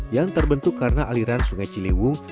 yang terbentuk karena aliran sungai ciliwung